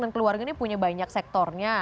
dan keluarga ini punya banyak sektornya